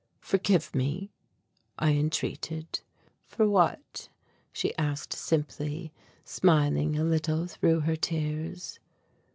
"Forgive me," I entreated. "For what?" she asked simply, smiling a little through her tears.